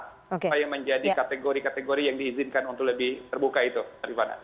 supaya menjadi kategori kategori yang diizinkan untuk lebih terbuka itu rivana